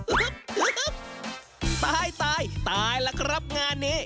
อึ๊บอึ๊บอึ๊บตายตายล่ะครับงานนี้